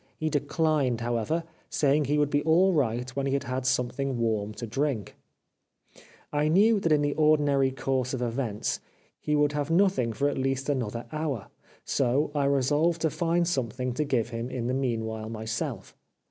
He declined, however, saying he would be all right when he had had something warm to drink. I knew that in the ordinary course of events he would have nothing for at least another hour, 393 The Life of Oscar Wilde so I resolved to find something to give him in the meanwhile myself.